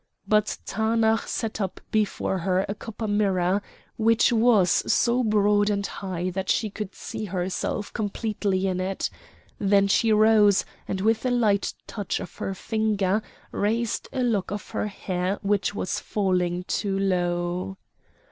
But Taanach set up before her a copper mirror, which was so broad and high that she could see herself completely in it. Then she rose, and with a light touch of her finger raised a lock of her hair which was falling too low.